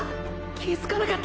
気づかなかった！！